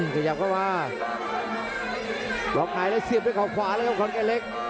ขยับเข้ามาล็อกหายแล้วเสียบด้วยเขาขวาแล้วครับขอนแก่นเล็ก